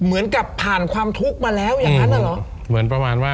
เหมือนกับผ่านความทุกข์มาแล้วอย่างกันเหรอ